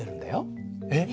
えっ？